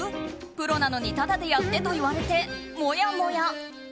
プロなのにタダでやってと言われてもやもや。